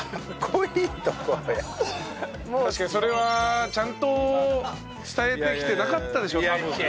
確かにそれはちゃんと伝えてきてなかったでしょ多分ね。